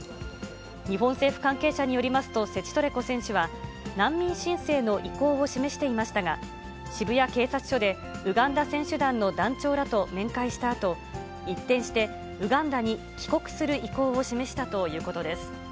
日本政府関係者によりますと、セチトレコ選手は、難民申請の意向を示していましたが、渋谷警察署で、ウガンダ選手団の団長らと面会したあと、一転して、ウガンダに帰国する意向を示したということです。